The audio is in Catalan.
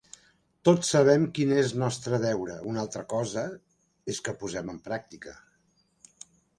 Tots sabem quin és nostre deure, una altra cosa és que posem en pràctica.